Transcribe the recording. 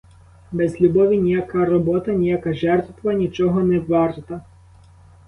Без любові ніяка робота, ніяка жертва нічого не варта.